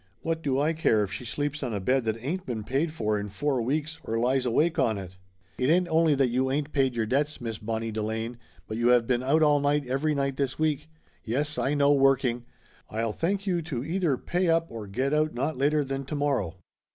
"What do I care if she sleeps on a bed that ain't been paid for in four weeks or lies awake on it? It ain't only that you ain't paid your debts, Miss Bonnie Delane, but you have been out all night every night this week. Yes, I know working! I'll thank you to either pay up or get out not later than to morrow